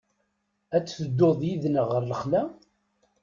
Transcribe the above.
Ad tedduḍ yid-neɣ ɣer lexla?